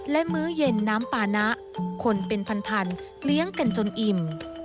และมื้อเย็นน้ำปานะคนเป็นพันเลี้ยงกันจนอิ่ม